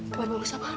kabar bagus apaan